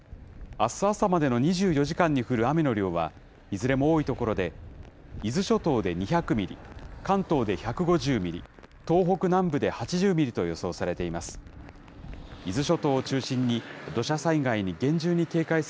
あす朝までの２４時間に降る雨の量は、いずれも多い所で、伊豆諸島で２００ミリ、関東で１５０ミリ、東北南部で８０ミリと予想されています。